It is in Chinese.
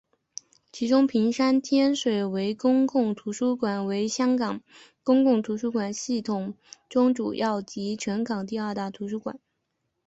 其中屏山天水围公共图书馆为香港公共图书馆系统中主要及全港第二大图书馆。